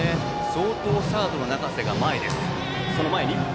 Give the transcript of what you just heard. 相当、サードの中瀬が前。